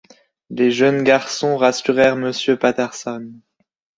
Les jeunes garçons rassurèrent Monsieur Patterson.